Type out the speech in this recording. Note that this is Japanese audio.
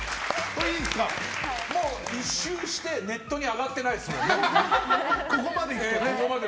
１周してネットに上がってないですよね。